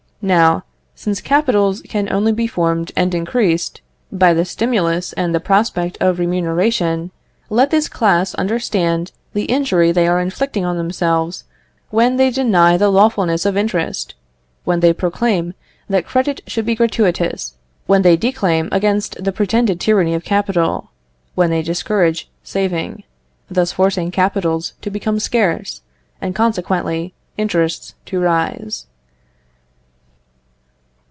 Now, since capitals can only be formed and increased by the stimulus and the prospect of remuneration, let this class understand the injury they are inflicting on themselves when they deny the lawfulness of interest, when they proclaim that credit should be gratuitous, when they declaim against the pretended tyranny of capital, when they discourage saving, thus forcing capitals to become scarce, and consequently interests to rise.